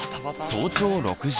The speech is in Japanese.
早朝６時。